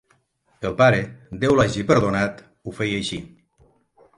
El pare, Déu l'hagi perdonat!, ho feia així.